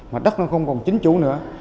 mà đất nó không còn chính chủ nữa